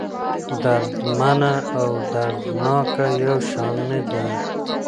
دردمنه او دردناکه يو شان نه دي.